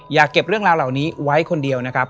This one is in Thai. อย่าเก็บเรื่องราวเหล่านี้ไว้คนเดียวนะครับ